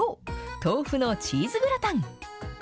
豆腐のチーズグラタン。